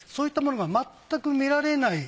そういったものがまったく見られない。